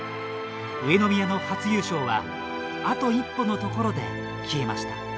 上宮の初優勝はあと一歩のところで消えました。